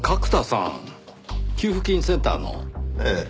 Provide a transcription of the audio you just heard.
ええ。